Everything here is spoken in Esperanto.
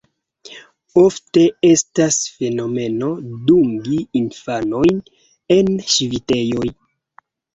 Ofte estas fenomeno dungi infanojn en ŝvitejoj.